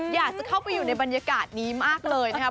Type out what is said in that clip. อยากจะเข้าไปอยู่ในบรรยากาศนี้มากเลยนะครับ